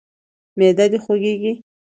معده د خوږیږي؟